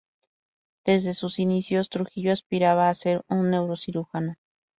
Desde sus inicios, Trujillo aspiraba a ser un neurocirujano.